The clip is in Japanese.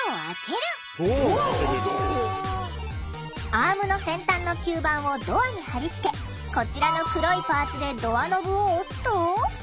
アームの先端の吸盤をドアに貼り付けこちらの黒いパーツでドアノブを押すと。